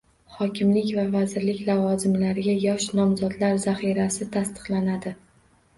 Hokimlik va vazirlik lavozimlariga yosh nomzodlar zaxirasi tasdiqlanadi